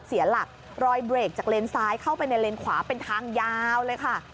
เสียหลักรอยเบรกจากเลนซ้ายเข้าไปในเลนขวาเป็นทางยาวเลยค่ะ